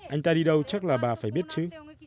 anh ta đi đâu chắc là bà phải biết chứ